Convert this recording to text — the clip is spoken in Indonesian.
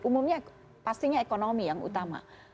umumnya pastinya ekonomi yang utama